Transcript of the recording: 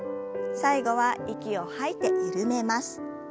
最後は息を吐いて緩めます。